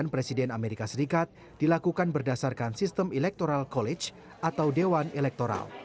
presiden amerika serikat dilakukan berdasarkan sistem electoral college atau dewan elektoral